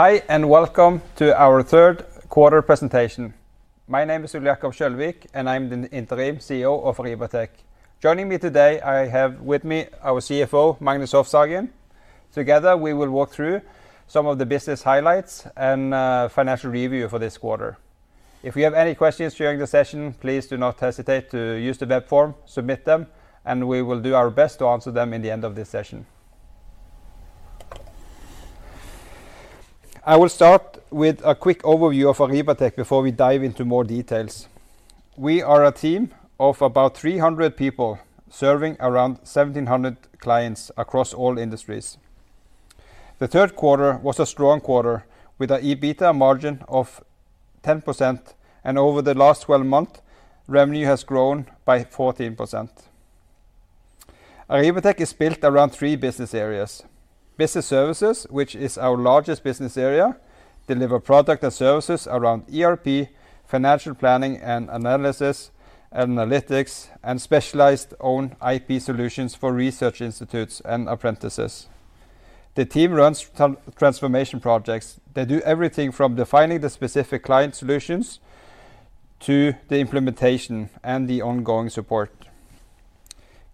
Hi, and welcome to our third quarter presentation. My name is Ole Jakob Kjølvik, and I'm the Interim CEO of Arribatec. Joining me today, I have with me our CFO, Magnus Hofshagen. Together, we will walk through some of the business highlights and financial review for this quarter. If you have any questions during the session, please do not hesitate to use the web form, submit them, and we will do our best to answer them in the end of this session. I will start with a quick overview of Arribatec Group ASA before we dive into more details. We are a team of about 300 people serving around 1,700 clients across all industries. The third quarter was a strong quarter with an EBITDA margin of 10%, and over the last 12 months, revenue has grown by 14%. Arribatec is split around three business areas. Business Services, which is our largest business area, delivers products and services around ERP, financial planning, analysis, analytics, and specialized owned IP solutions for research institutes and apprentices. The team runs transformation projects. They do everything from defining the specific client solutions to the implementation and the ongoing support.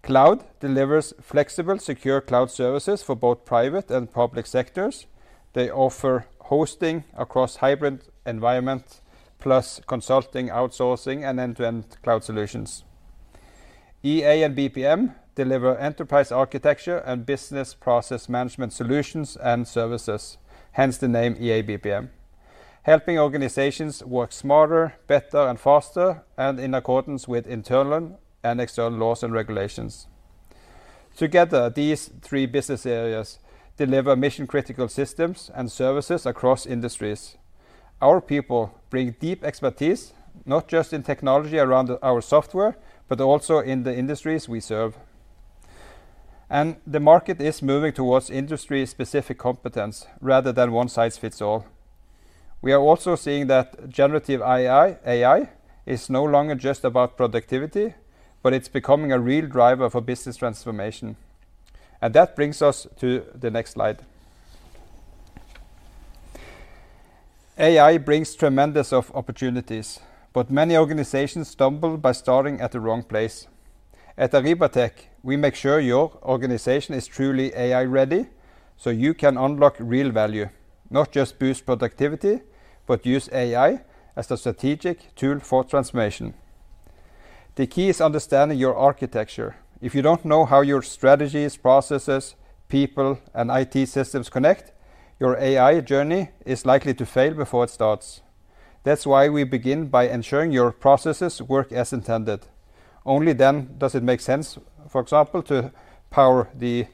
Cloud Services delivers flexible, secure cloud services for both private and public sectors. They offer hosting across hybrid environments, plus consulting, outsourcing, and end-to-end cloud solutions. Enterprise Architecture & Business Process Management deliver enterprise architecture and business process management solutions and services, hence the name EABPM, helping organizations work smarter, better, and faster, and in accordance with internal and external laws and regulations. Together, these three business areas deliver mission-critical systems and services across industries. Our people bring deep expertise, not just in technology around our software, but also in the industries we serve. The market is moving towards industry-specific competence rather than one-size-fits-all. We are also seeing that generative AI is no longer just about productivity, but it's becoming a real driver for business transformation. That brings us to the next slide. AI brings tremendous opportunities, but many organizations stumble by starting at the wrong place. At Arribatec Group ASA, we make sure your organization is truly AI-ready so you can unlock real value, not just boost productivity, but use AI as a strategic tool for transformation. The key is understanding your architecture. If you don't know how your strategies, processes, people, and IT systems connect, your AI journey is likely to fail before it starts. That's why we begin by ensuring your processes work as intended. Only then does it make sense, for example, to power the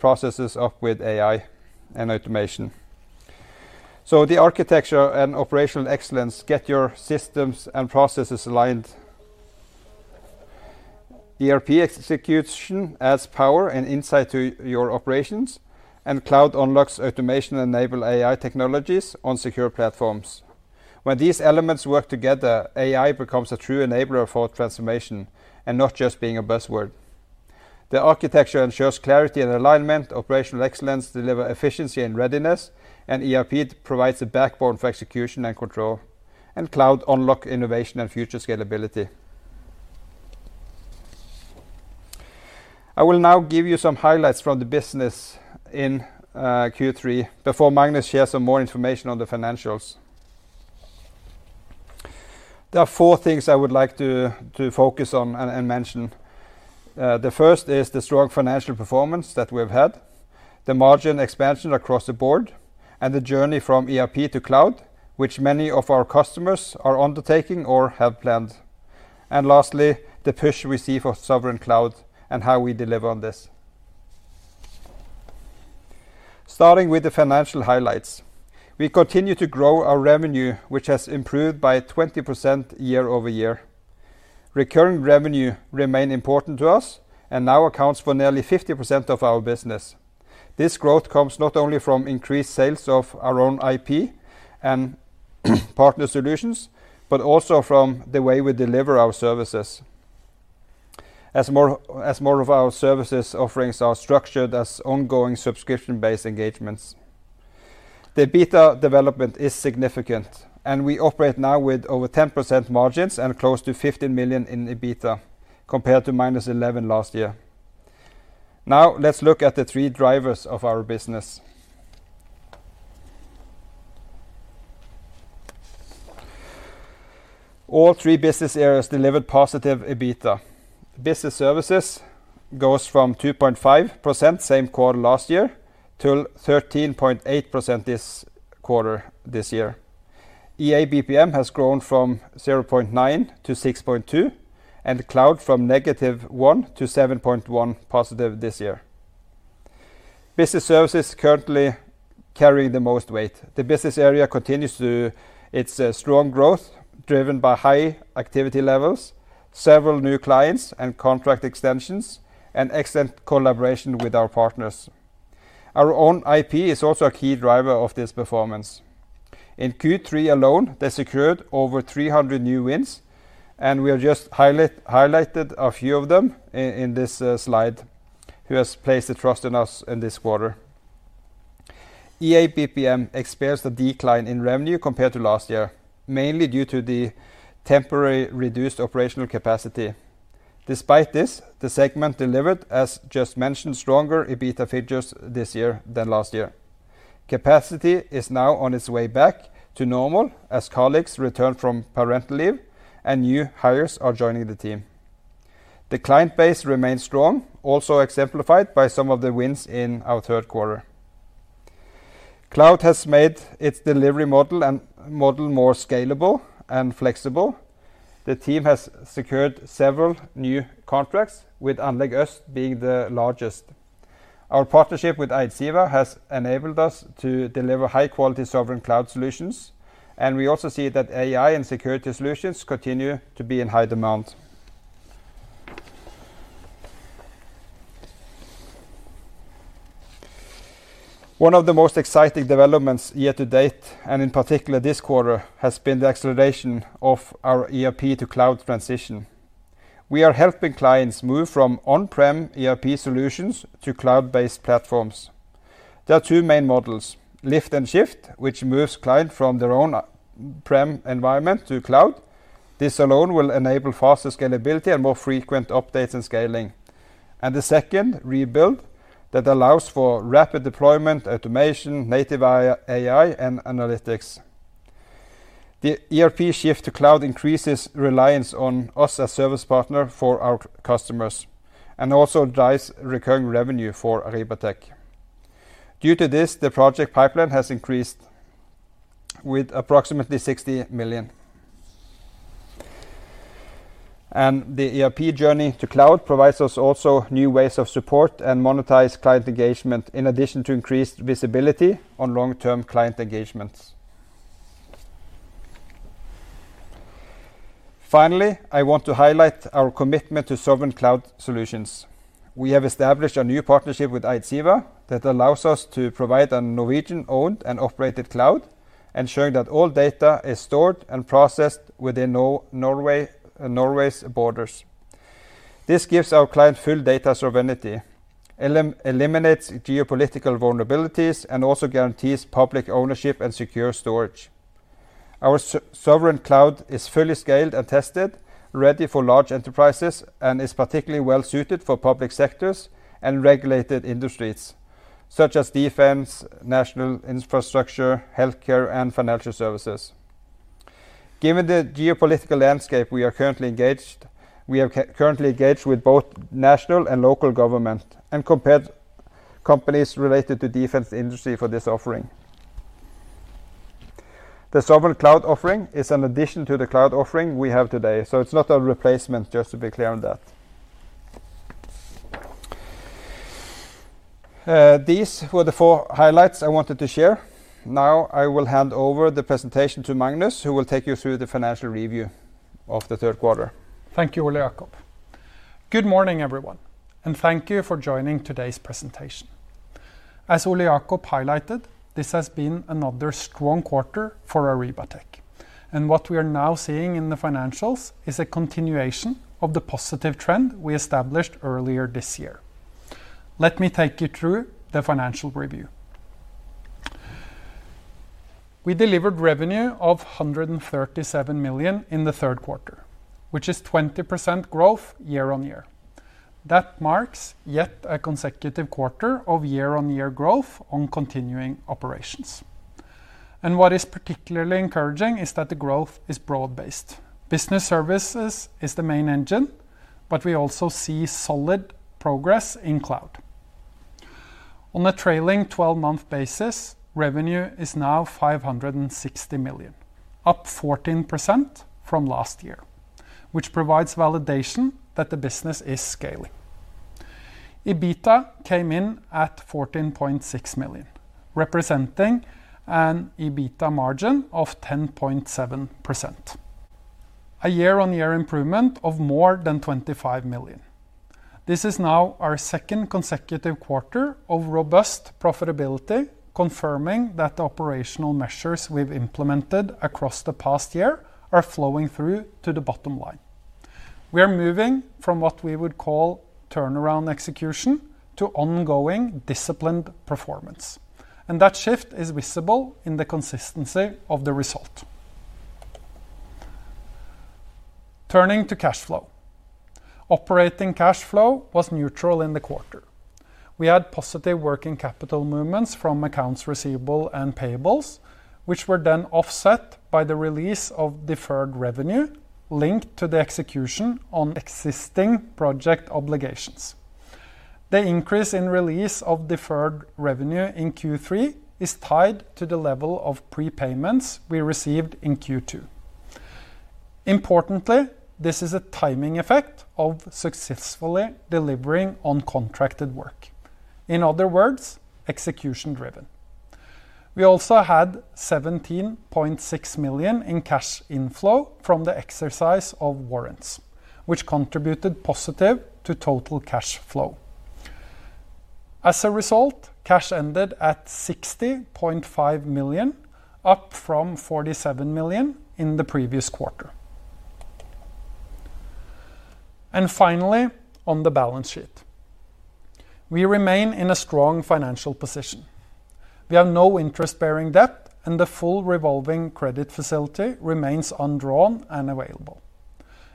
processes up with AI and automation. The architecture and operational excellence get your systems and processes aligned. ERP execution adds power and insight to your operations, and cloud unlocks automation to enable AI technologies on secure platforms. When these elements work together, AI becomes a true enabler for transformation and not just being a buzzword. The architecture ensures clarity and alignment. Operational excellence delivers efficiency and readiness, and ERP provides a backbone for execution and control, and cloud unlocks innovation and future scalability. I will now give you some highlights from the business in Q3 before Magnus shares some more information on the financials. There are four things I would like to focus on and mention. The first is the strong financial performance that we have had, the margin expansion across the board, the journey from ERP to cloud, which many of our customers are undertaking or have planned, and lastly, the push we see for sovereign cloud and how we deliver on this. Starting with the financial highlights, we continue to grow our revenue, which has improved by 20% year over year. Recurring revenue remains important to us and now accounts for nearly 50% of our business. This growth comes not only from increased sales of our own IP and partner solutions, but also from the way we deliver our services, as more of our services offerings are structured as ongoing subscription-based engagements. The EBITDA development is significant, and we operate now with over 10% margins and close to 15 million in EBITDA compared to minus 11 million last year. Now, let's look at the three drivers of our business. All three business areas delivered positive EBITDA. Business Services go from 2.5% same quarter last year to 13.8% this quarter this year. Enterprise Architecture & Business Process Management (EABPM) has grown from 0.9% to 6.2%, and Cloud Services from negative 1% to 7.1% positive this year. Business Services currently carry the most weight. The business area continues its strong growth, driven by high activity levels, several new clients and contract extensions, and excellent collaboration with our partners. Our own IP is also a key driver of this performance. In Q3 alone, they secured over 300 new wins, and we have just highlighted a few of them in this slide, which has placed the trust in us in this quarter. EABPM experienced a decline in revenue compared to last year, mainly due to the temporary reduced operational capacity. Despite this, the segment delivered, as just mentioned, stronger EBITDA figures this year than last year. Capacity is now on its way back to normal as colleagues returned from parental leave and new hires are joining the team. The client base remains strong, also exemplified by some of the wins in our third quarter. Cloud has made its delivery model more scalable and flexible. The team has secured several new contracts, with Anleg Ost being the largest. Our partnership with Itseva has enabled us to deliver high-quality sovereign cloud solutions, and we also see that AI and security solutions continue to be in high demand. One of the most exciting developments yet to date, and in particular this quarter, has been the acceleration of our ERP-to-cloud transition. We are helping clients move from on-prem ERP solutions to cloud-based platforms. There are two main models: lift and shift, which moves clients from their own prem environment to cloud. This alone will enable faster scalability and more frequent updates and scaling. The second, rebuild, allows for rapid deployment, automation, native AI, and analytics. The ERP shift to cloud increases reliance on us as a service partner for our customers and also drives recurring revenue for Arribatec. Due to this, the project pipeline has increased with approximately NOK 60 million. The ERP journey to cloud provides us also new ways of support and monetized client engagement, in addition to increased visibility on long-term client engagements. Finally, I want to highlight our commitment to sovereign cloud solutions. We have established a new partnership with Itseva that allows us to provide a Norwegian-owned and operated cloud, ensuring that all data is stored and processed within Norway's borders. This gives our clients full data sovereignty, eliminates geopolitical vulnerabilities, and also guarantees public ownership and secure storage. Our sovereign cloud is fully scaled and tested, ready for large enterprises, and is particularly well-suited for public sectors and regulated industries, such as defense, national infrastructure, healthcare, and financial services. Given the geopolitical landscape we are currently engaged in, we are currently engaged with both national and local government and compared companies related to the defense industry for this offering. The sovereign cloud offering is an addition to the cloud offering we have today, so it's not a replacement, just to be clear on that. These were the four highlights I wanted to share. Now, I will hand over the presentation to Magnus, who will take you through the financial review of the third quarter. Thank you, Ole Jakob. Good morning, everyone, and thank you for joining today's presentation. As Ole Jakob highlighted, this has been another strong quarter for Arribatec Group ASA, and what we are now seeing in the financials is a continuation of the positive trend we established earlier this year. Let me take you through the financial review. We delivered revenue of 137 million in the third quarter, which is 20% growth year on year. That marks yet a consecutive quarter of year-on-year growth on continuing operations. What is particularly encouraging is that the growth is broad-based. Business Services is the main engine, but we also see solid progress in Cloud Services. On a trailing 12-month basis, revenue is now 560 million, up 14% from last year, which provides validation that the business is scaling. EBITDA came in at 14.6 million, representing an EBITDA margin of 10.7%, a year-on-year improvement of more than 25 million. This is now our second consecutive quarter of robust profitability, confirming that the operational measures we've implemented across the past year are flowing through to the bottom line. We are moving from what we would call turnaround execution to ongoing disciplined performance, and that shift is visible in the consistency of the result. Turning to cash flow, operating cash flow was neutral in the quarter. We had positive working capital movements from accounts receivable and payables, which were then offset by the release of deferred revenue linked to the execution on existing project obligations. The increase in release of deferred revenue in Q3 is tied to the level of prepayments we received in Q2. Importantly, this is a timing effect of successfully delivering on contracted work. In other words, execution-driven. We also had 17.6 million in cash inflow from the exercise of warrants, which contributed positively to total cash flow. As a result, cash ended at 60.5 million, up from 47 million in the previous quarter. Finally, on the balance sheet, we remain in a strong financial position. We have no interest-bearing debt, and the full revolving credit facility remains undrawn and available.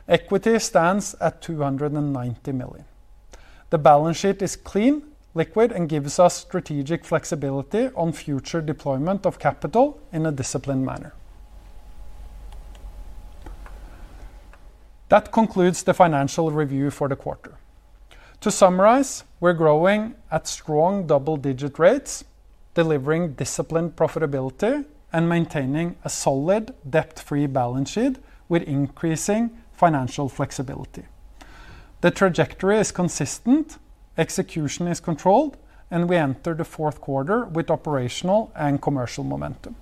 Equity stands at 290 million. The balance sheet is clean, liquid, and gives us strategic flexibility on future deployment of capital in a disciplined manner. That concludes the financial review for the quarter. To summarize, we're growing at strong double-digit rates, delivering disciplined profitability, and maintaining a solid, debt-free balance sheet with increasing financial flexibility. The trajectory is consistent, execution is controlled, and we enter the fourth quarter with operational and commercial momentum.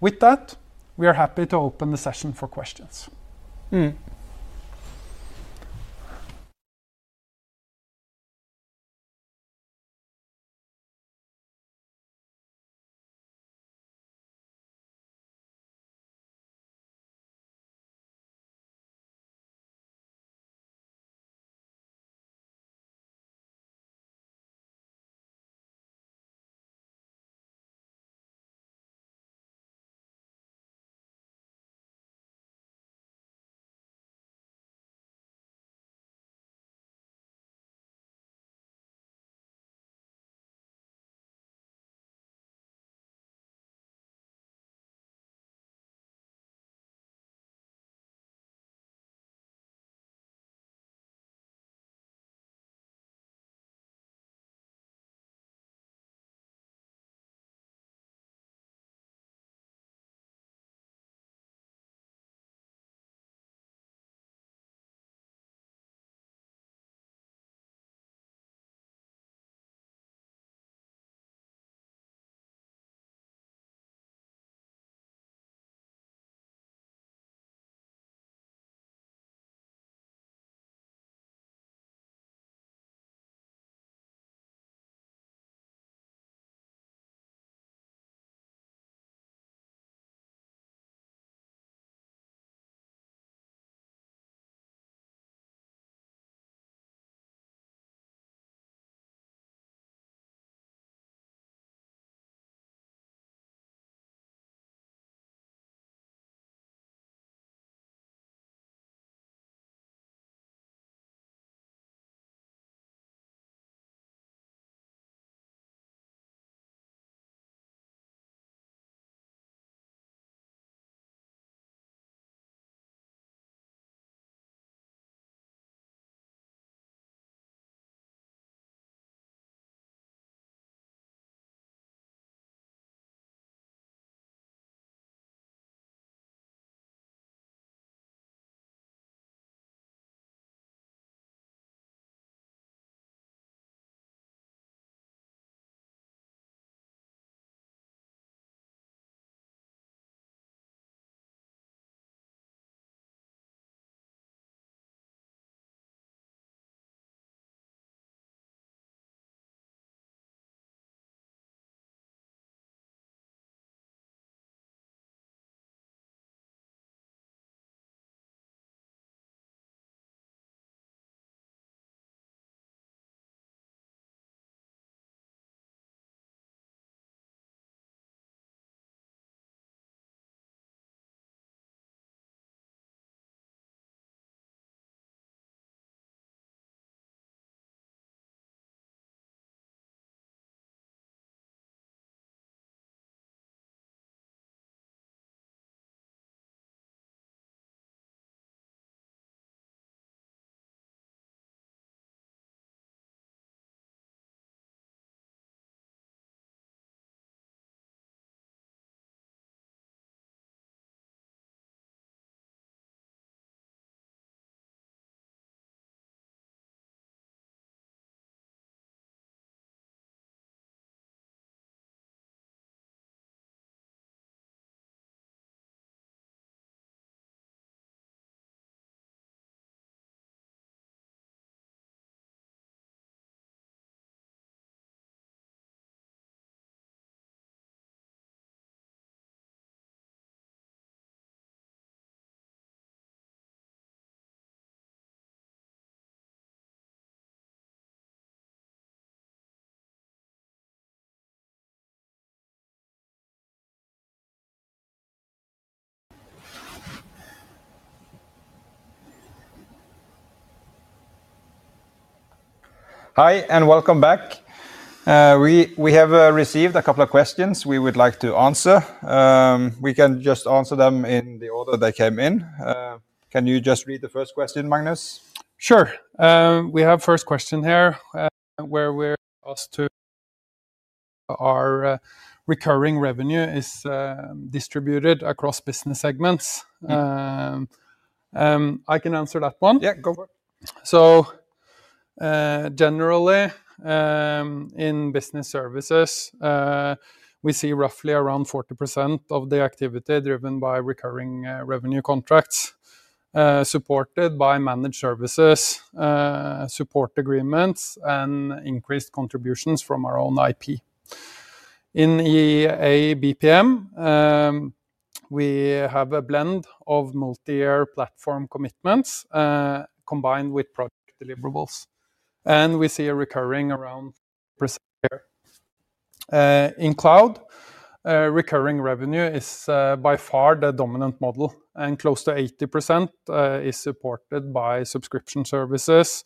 With that, we are happy to open the session for questions. Hi, and welcome back. We have received a couple of questions we would like to answer. We can just answer them in the order they came in. Can you just read the first question, Magnus? Sure. We have a first question here where we're asked to ask if recurring revenue is distributed across business segments. I can answer that one. Yeah, go for it. Generally, in Business Services, we see roughly around 40% of the activity driven by recurring revenue contracts supported by managed services, support agreements, and increased contributions from our own IP. In Enterprise Architecture & Business Process Management, we have a blend of multi-year platform commitments combined with project deliverables, and we see recurring around 40% here. In Cloud Services, recurring revenue is by far the dominant model, and close to 80% is supported by subscription services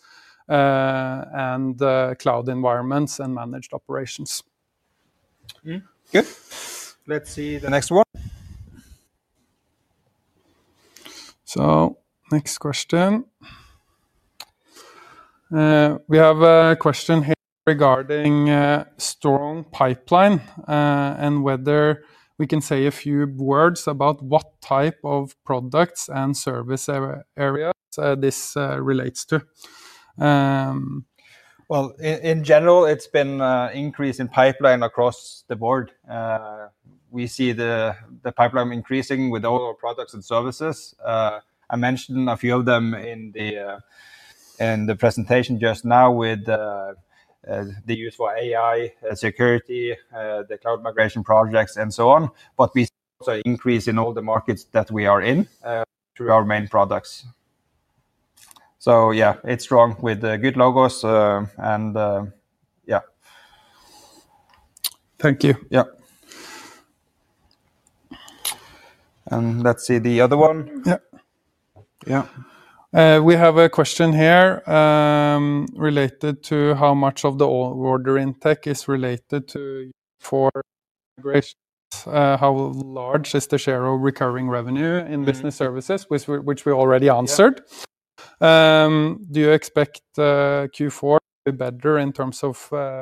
and cloud environments and managed operations. Good. Let's see the next one. The next question is regarding a strong pipeline and whether we can say a few words about what type of products and service areas this relates to. In general, it's been an increase in pipeline across the board. We see the pipeline increasing with all our products and services. I mentioned a few of them in the presentation just now with the use for AI, security, the cloud migration projects, and so on. We see also an increase in all the markets that we are in through our main products. Yeah, it's strong with good logos and yeah. Thank you. Let's see the other one. Yeah. We have a question here related to how much of the order intake is related to migration. How large is the share of recurring revenue in Business Services, which we already answered? Do you expect Q4 to be better in terms of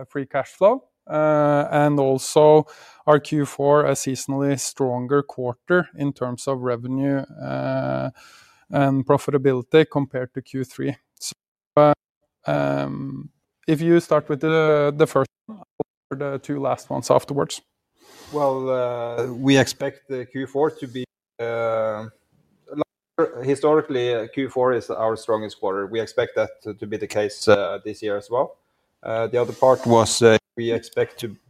free cash flow? Also, Q4 is a seasonally stronger quarter in terms of revenue and profitability compared to Q3. If you start with the first one, I'll answer the two last ones afterwards. We expect the Q4 to be historically, Q4 is our strongest quarter. We expect that to be the case this year as well. The other part was we expect a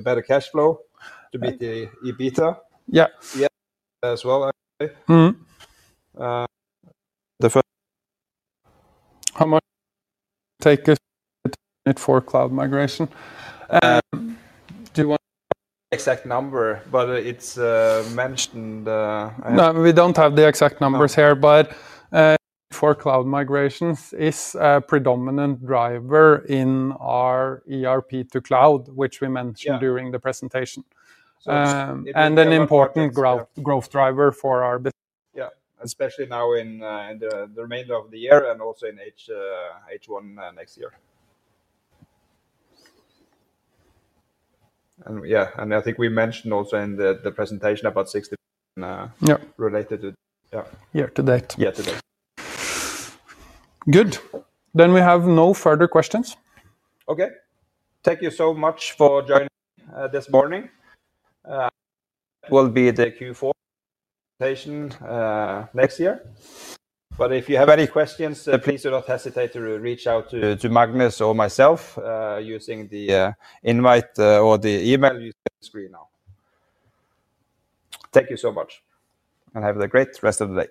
better cash flow to beat the EBITDA as well, I would say. How much take a hit for cloud migration? Do you want the exact number? It's mentioned. No, we don't have the exact numbers here, but for cloud migration, it is a predominant driver in our ERP-to-cloud, which we mentioned during the presentation. It is an important growth driver for our company. Especially now in the remainder of the year and also in H1 next year. I think we mentioned also in the presentation about 60% related to. Yeah, year to date. Yeah, to date. Good. We have no further questions. Okay. Thank you so much for joining this morning. It will be the Q4 presentation next year. If you have any questions, please do not hesitate to reach out to Magnus or myself using the invite or the email you see on the screen now. Thank you so much, and have a great rest of the day.